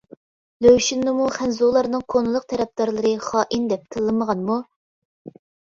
لۇشۈننىمۇ خەنزۇلارنىڭ كونىلىق تەرەپدارلىرى خائىن دەپ تىللىمىغانمۇ؟ !